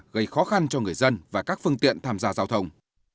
gây khó khăn cho người dân và các phương tiện tham gia giao thông